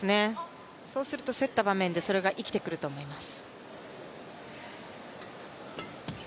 そうすると競った場面でそれが生きてくると思います。